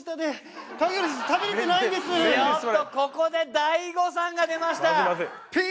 おっとここで大誤算が出ました！